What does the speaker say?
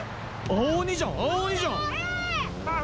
青鬼じゃん青鬼じゃん・青なの？